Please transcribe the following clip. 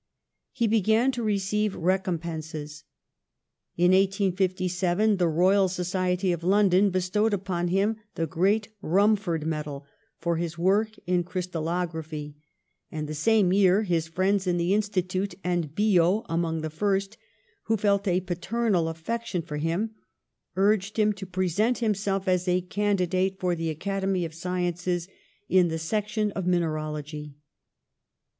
He began to receive rec ompenses. In 1857 the Royal Society of Lon don bestowed upon him the great Rumford medal for his work in crystalography, and the same year his friends in the Institute, and Biot among the first, who felt a paternal affection for him, urged him to present himself as a can didate for the Academy of Sciences in the sec tion of mineralogy.